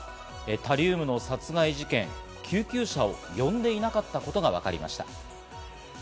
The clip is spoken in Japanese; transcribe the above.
続いてですが、タリウムの殺害事件、救急車を呼んでいなかったことがわかりました。